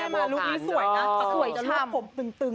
แม่มาลุงนี้สวยกัน